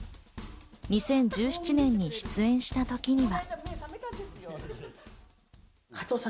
２０１７年に出演した時には。